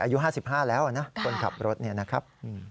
อายุ๕๕แล้วนะคนขับรถเนี่ยนะครับ